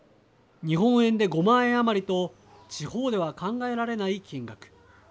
日本円で５万円余りと地方では考えられない金額。